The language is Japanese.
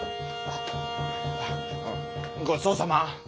ごちそうさま。